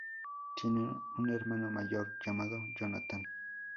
Tiene un hermano mayor llamado Jonathan.